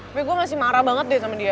tapi gue masih marah banget deh sama dia